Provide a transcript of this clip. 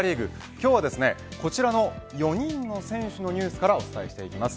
今日はこちらの４人の選手のニュースからお伝えしていきます。